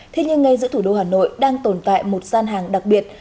thế nhưng ngay giữa thủ đô hà nội đang tồn tại một gian hàng đặc biệt